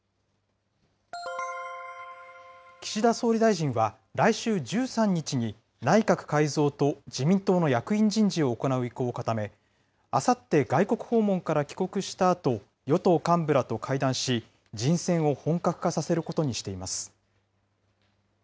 岸田総理大臣は来週１３日に内閣改造と自民党の役員人事を行う意向を固め、あさって外国訪問から帰国したあと、与党幹部らと会談し、人選を本格化させることにしています。